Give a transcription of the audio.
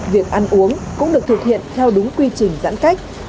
việc ăn uống cũng được thực hiện theo đúng quy trình giãn cách